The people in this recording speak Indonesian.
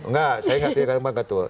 enggak saya gak tindakan banget tuh